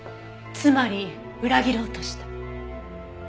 つまり裏切ろうとした？